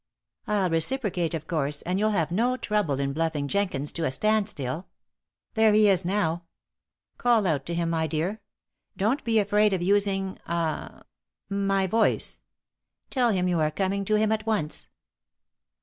I'll reciprocate of course, and you'll have no trouble in bluffing Jenkins to a standstill. There he is now! Call out to him, my dear. Don't be afraid of using ah my voice. Tell him you are coming to him at once."